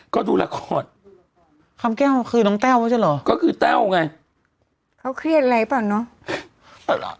ก็ดูละครคำแก้วคือน้องแต้วไม่ใช่เหรอก็คือแต้วไงเขาเครียดอะไรเปล่าเนอะ